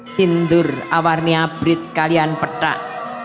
sindur awarni abrid kalian petak